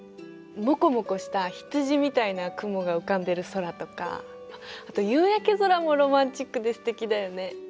モコモコしたひつじみたいな雲が浮かんでる空とかあと夕焼け空もロマンチックですてきだよね。